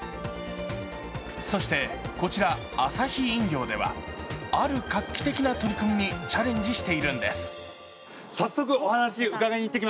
そしてこちらアサヒ飲料ではある画期的な取り組みにチャレンジしているんです。